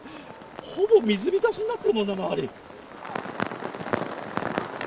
ほぼ水浸しになってるもんな、周り。